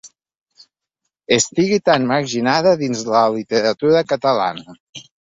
Estigui tan marginada dins la literatura catalana.